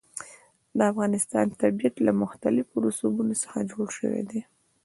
د افغانستان طبیعت له مختلفو رسوبونو څخه جوړ شوی دی.